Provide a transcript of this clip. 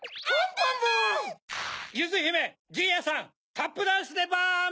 タップダンスでバーム！